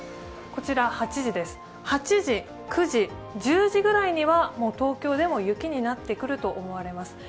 こちら、８時、９時、１０時ぐらいにはもう東京でも雪になってくると思われます。